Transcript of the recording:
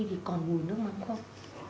thì còn ngủi nước mắm không